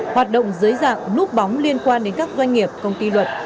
hoạt động dưới dạng núp bóng liên quan đến các doanh nghiệp công ty luật